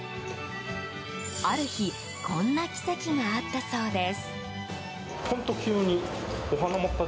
ある日、こんな奇跡があったそうです。